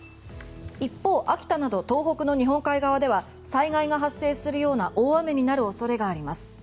一方、秋田など東北の日本海側では災害が発生するような大雨になる恐れがあります。